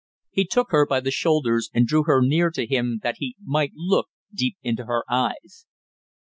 He took her by the shoulders and drew her near to him that he might look deep into her eyes.